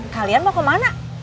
kalian mau kemana